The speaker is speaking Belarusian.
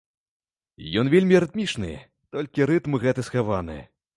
Ён вельмі рытмічны, толькі рытм гэты схаваны.